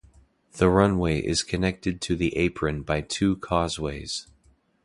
The runway is connected to the apron by two causeways.